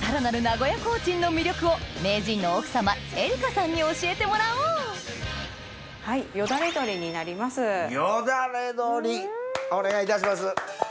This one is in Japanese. さらなる名古屋コーチンの魅力を名人のに教えてもらおうよだれ鶏お願いいたします。